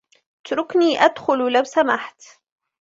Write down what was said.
اتركني أدخل لو سمحت.